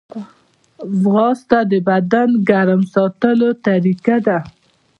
ځغاسته د بدن ګرم ساتلو طریقه ده